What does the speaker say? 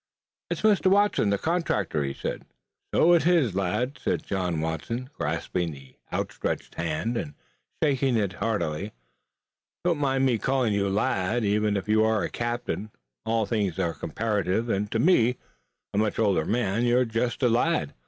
"It's Mr. Watson, the contractor," he said. "So it is, lad," said John Watson, grasping the outstretched hand and shaking it heartily. "Don't mind my calling you lad, even if you are a captain. All things are comparative, and to me, a much older man, you're just a lad.